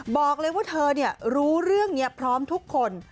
บอกเลยว่าเธอรู้เรื่องนี้พร้อมทุกคน